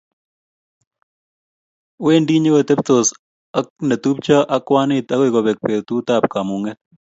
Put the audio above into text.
Wendi nyokotebsot ak ne tupcho ak kwanit agoi kobek betut ab kamung'et